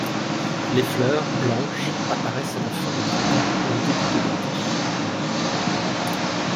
Les fleurs, blanches, apparaissent à la fin du printemps et au début de l'été.